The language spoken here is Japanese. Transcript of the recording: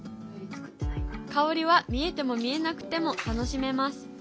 香りは見えても見えなくても楽しめます。